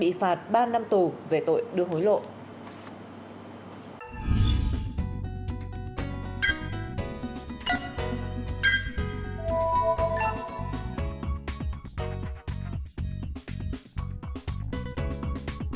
bị cáo phạm nhật vũ bị tuyên phạt năm năm tù về tội vi phạm các quy định về quản lý và sử dụng vốn đầu tư công gây hậu quả nghiêm trọng